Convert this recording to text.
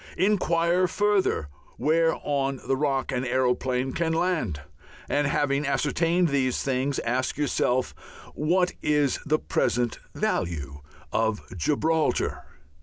Inquire further where on the Rock an aeroplane can land. And having ascertained these things, ask yourself what is the present value of Gibraltar?